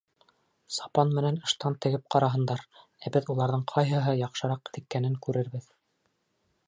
Сапан менән ыштан тегеп ҡараһындар, ә беҙ уларҙың ҡайһыһы яҡшыраҡ теккәнен күрербеҙ.